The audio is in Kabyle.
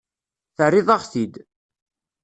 Terriḍ-aɣ-t-id.